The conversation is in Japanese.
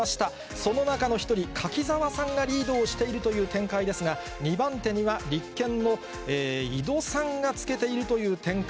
その中の１人、柿沢さんがリードをしているという展開ですが、２番手には立憲の井戸さんがつけているという展開。